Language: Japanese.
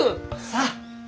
さあ。